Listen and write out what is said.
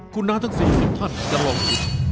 คุณน้าทั้ง๔๐ท่านจะลองผิด